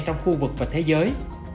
trong khu vực và thế giới